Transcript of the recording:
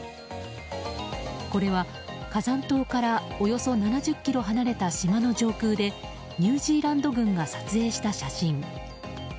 これは火山島からおよそ７０ｋｍ離れた島の上空でニュージーランド軍が撮影した写真。